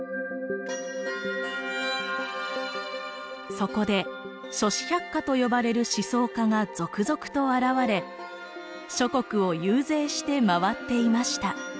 そこで「諸子百家」と呼ばれる思想家が続々と現れ諸国を遊説して回っていました。